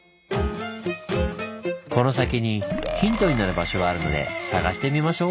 この先にヒントになる場所があるので探してみましょう！